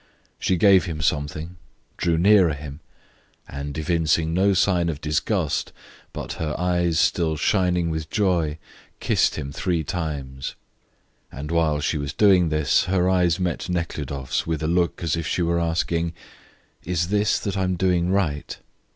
She gave him something, drew nearer him, and, evincing no sign of disgust, but her eyes still shining with joy, kissed him three times. And while she was doing this her eyes met Nekhludoff's with a look as if she were asking, "Is this that I am doing right?"